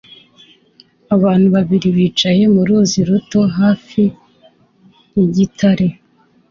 Abantu babiri bicaye mu ruzi ruto hafi yigitare